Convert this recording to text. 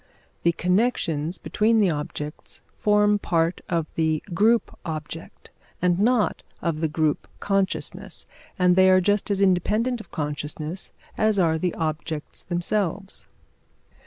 The connections between the objects form part of the group object and not of the group consciousness, and they are just as independent of consciousness as are the objects themselves.